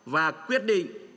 và quyết định